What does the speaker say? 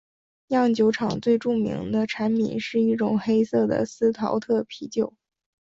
酿酒厂最著名的产品是一种黑色的司陶特啤酒。